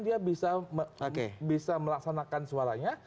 dia bisa melaksanakan suaranya